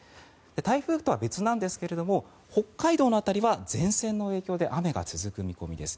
台風とは別なんですが北海道の辺りは前線の影響で雨が続く見込みです。